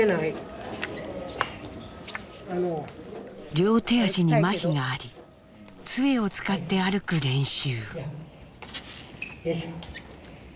両手足にまひがありつえを使って歩く練習。